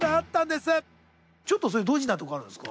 ちょっとそういうドジなところあるんですか？